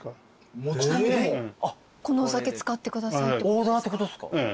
オーダーってことですか？